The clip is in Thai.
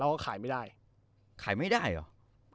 ขายไม่ได้ขายไม่ได้เหรอ